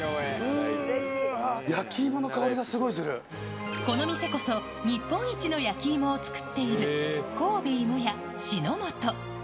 うーわ、この店こそ、日本一の焼き芋を作っている、神戸芋屋志のもと。